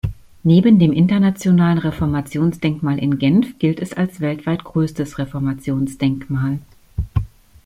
Neben dem internationalen Reformationsdenkmal in Genf gilt es als weltweit größtes Reformationsdenkmal.